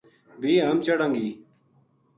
بھی ہم چڑھاں گی